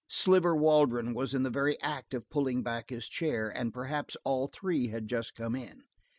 Sliver Waldron was in the very act of pulling back his chair, and perhaps all three had just come in.